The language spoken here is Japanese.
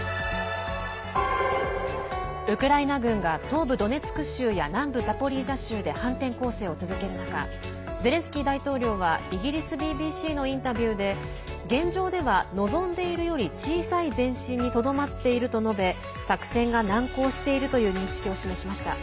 ウクライナ軍が東部ドネツク州や南部ザポリージャ州で反転攻勢を続ける中ゼレンスキー大統領はイギリスＢＢＣのインタビューで現状では望んでいるより小さい前進にとどまっていると述べ作戦が難航しているという認識を示しました。